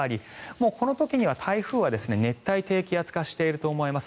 もうこの時には台風は熱帯低気圧化していると思います。